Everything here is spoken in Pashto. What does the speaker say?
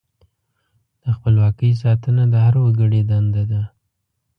د خپلواکۍ ساتنه د هر وګړي دنده ده.